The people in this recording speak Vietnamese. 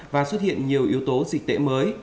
và xuất hiện nhiều yếu tố dịch tễ mới